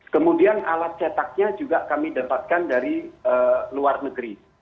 kemudian alat cetaknya juga kami dapatkan dari luar negeri